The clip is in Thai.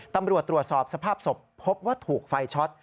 ตรวจสอบสภาพศพพบว่าถูกไฟช็อต